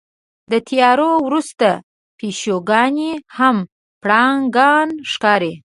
د تیارو وروسته پیشوګانې هم پړانګان ښکاري.